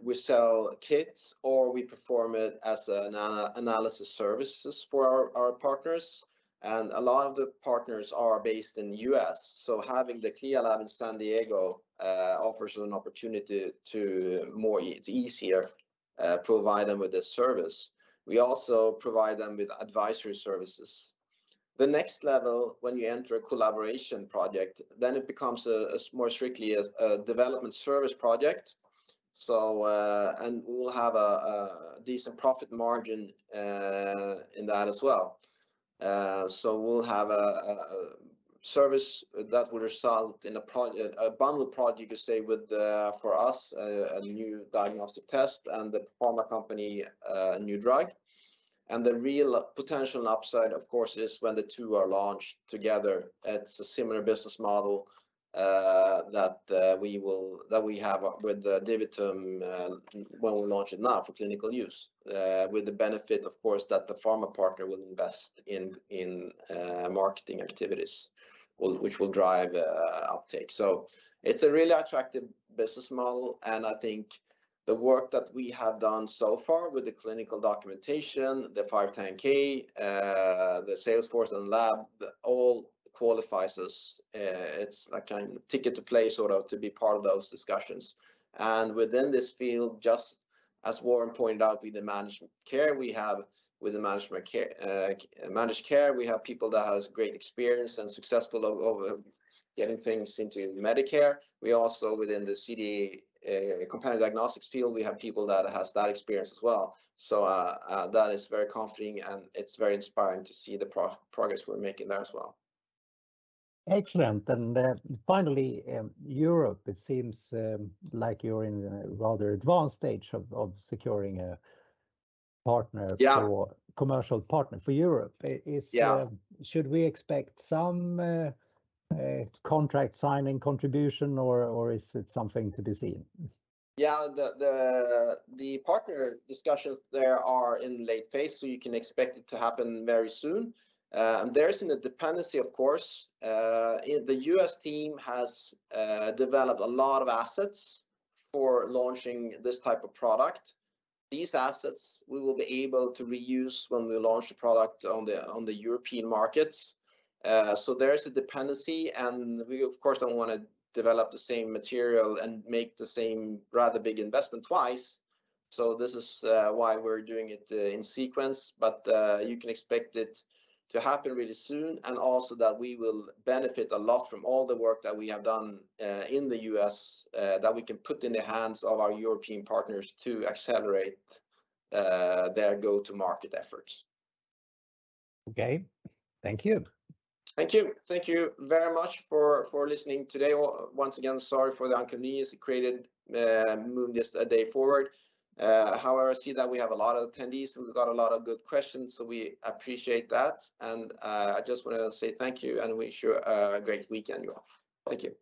we sell kits, or we perform it as analysis services for our partners. A lot of the partners are based in the U.S., so having the CLIA lab in San Diego offers you an opportunity to more easier provide them with this service. We also provide them with advisory services. The next level, when you enter a collaboration project, then it becomes a more strictly a development service project. We'll have a decent profit margin in that as well. We'll have a service that will result in a bundled project, you could say, with for us, a new diagnostic test and the pharma company, a new drug. The real potential upside, of course, is when the two are launched together. It's a similar business model, that we will, that we have with DiviTum, when we launch it now for clinical use. With the benefit, of course, that the pharma partner will invest in marketing activities, which will drive uptake. It's a really attractive business model, and I think the work that we have done so far with the clinical documentation, the 510(k), the sales force and lab, all qualifies us. It's a kind of ticket to play, sort of, to be part of those discussions. Within this field, just as Warren pointed out, with the managed care we have, with the managed care, we have people that has great experience and successful over getting things into Medicare. We also, within the CD, companion diagnostics field, we have people that has that experience as well. That is very comforting, and it's very inspiring to see the progress we're making there as well. Excellent. Finally, Europe, it seems, like you're in a rather advanced stage of securing a partner. Yeah or commercial partner for Europe. is. Yeah... should we expect some contract signing contribution, or is it something to be seen? Yeah. The partner discussions there are in late phase. You can expect it to happen very soon. There's a dependency of course. The U.S. team has developed a lot of assets for launching this type of product. These assets we will be able to reuse when we launch the product on the European markets. There is a dependency, we of course don't wanna develop the same material and make the same rather big investment twice. This is why we're doing it in sequence. You can expect it to happen really soon, and also that we will benefit a lot from all the work that we have done in the U.S. that we can put in the hands of our European partners to accelerate their go-to-market efforts. Okay. Thank you. Thank you. Thank you very much for listening today. Once again, sorry for the inconvenience it created moving this a day forward. However, I see that we have a lot of attendees. We've got a lot of good questions, so we appreciate that. I just want to say thank you and wish you a great weekend, you all. Thank you.